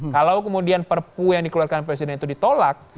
kalau kemudian perpu yang dikeluarkan presiden itu ditolak